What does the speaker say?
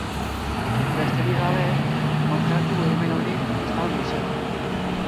Besterik gabe, markatu e-mail hori spam gisa.